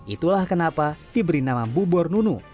itulah kenapa diberi nama bubor nunu